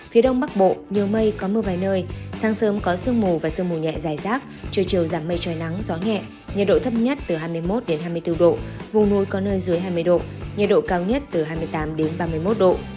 phía đông bắc bộ nhiều mây có mưa vài nơi sáng sớm có sương mù và sương mù nhẹ dài rác trưa chiều giảm mây trời nắng gió nhẹ nhiệt độ thấp nhất từ hai mươi một hai mươi bốn độ vùng núi có nơi dưới hai mươi độ nhiệt độ cao nhất từ hai mươi tám ba mươi một độ